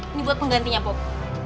ini buat penggantinya pop